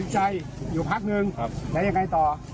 จะปล่อยหลักไปดีไม่ปล่อย